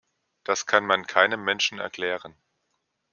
Das kann man keinem Menschen erklären.